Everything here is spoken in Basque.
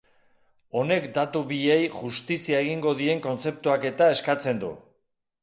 Honek datu biei justizia egingo dien kontzeptuaketa eskatzen du.